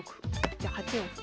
じゃあ８四歩。